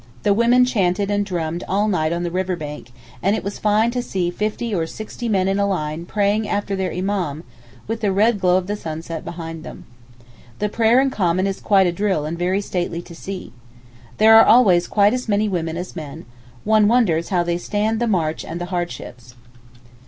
The women chanted and drummed all night on the river bank, and it was fine to see fifty or sixty men in a line praying after their Imám with the red glow of the sunset behind them. The prayer in common is quite a drill and very stately to see. There are always quite as many women as men; one wonders how they stand the march and the hardships.